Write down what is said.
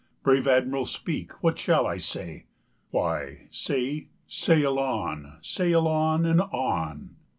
Brave Admiral, speak; what shall I say?" "Why, say 'Sail on! sail on! and on!